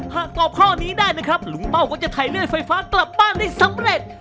ตอบข้อนี้ได้นะครับลุงเป้าก็จะถ่ายเลือดไฟฟ้ากลับบ้านได้สำเร็จ